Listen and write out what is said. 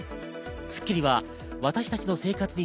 『スッキリ』は私たちの生活に